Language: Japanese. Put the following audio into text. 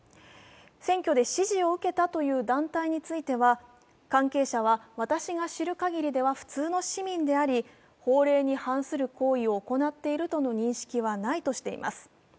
選挙で支持を受けたという団体については、関係者は私が知る限りでは普通の市民であり法令に反する行為を行っているとの認識はないとしています。